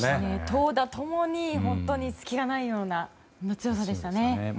投打共に隙がないような強さでしたね。